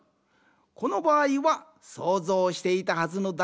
このばあいは想像していたはずのだ